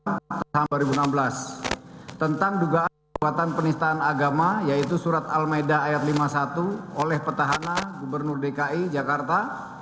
tahun dua ribu enam belas tentang dugaan kekuatan penistaan agama yaitu surat al maida ayat lima puluh satu oleh petahana gubernur dki jakarta